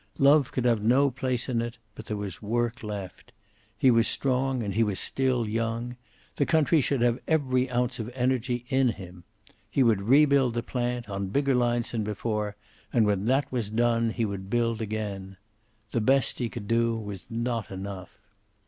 Love could have no place in it, but there was work left. He was strong and he was still young. The country should have every ounce of energy in him. He would re build the plant, on bigger lines than before, and when that was done, he would build again. The best he could do was not enough.